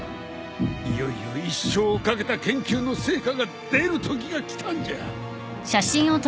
いよいよ一生をかけた研究の成果が出るときがきたんじゃ。